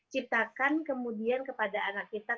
ciptakan kemudian kepada anak kita